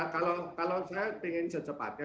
kalau saya ingin secepatnya